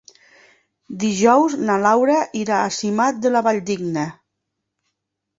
Dijous na Laura irà a Simat de la Valldigna.